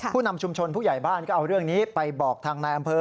ผู้นำชุมชนผู้ใหญ่บ้านก็เอาเรื่องนี้ไปบอกทางนายอำเภอ